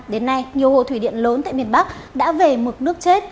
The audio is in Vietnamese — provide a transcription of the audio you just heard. đến nay nhiều hồ thủy điện lớn tại miền bắc đã về mực nước chết